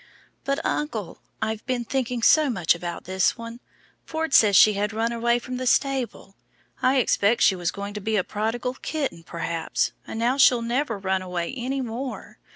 "But, uncle, I've been thinking so much about this one. Ford says she had run away from the stable. I expect she was going to be a prodigal kitten, perhaps, and now she'll never run away any more.